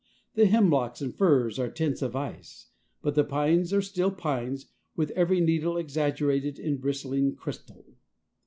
The hemlocks and firs are tents of ice, but the pines are still pines, with every needle exaggerated in bristling crystal.